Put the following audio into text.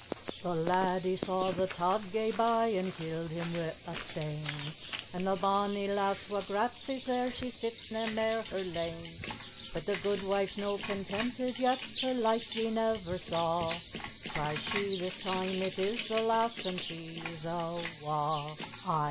"The laddie saw the tod gae by, an' killed him wi' a stane, And the bonnie lass wha grat sae sair she sits nae mair her lane, But the guidwife's no contented yet her like ye never saw, Cries she, 'This time it is the lass, an' she's awa'!'